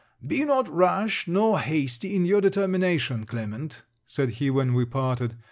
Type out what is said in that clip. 'Be not rash nor hasty in your determination, Clement,' said he when we parted.